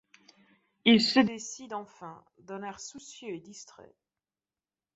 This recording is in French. Il se décide enfin ; d'un air soucieux et distrait.